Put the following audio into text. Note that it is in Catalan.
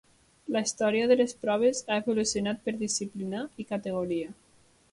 La història de les proves ha evolucionat per disciplinar i categoria.